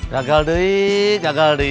jagal duit jagal duit